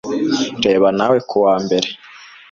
Reba nawe kuwa mbere